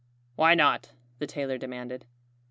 "Why not?" the tailor demanded.